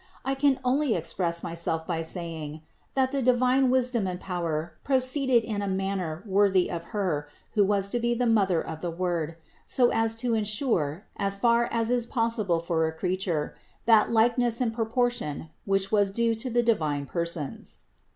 I can only express THE INCARNATION 41 myself by saying, that the divine wisdom and power pro ceeded in a manner worthy of Her, who was to be the Mother of the Word, so as to ensure, as far as is possible for a creature, that likeness and proportion, which was due to the divine Persons.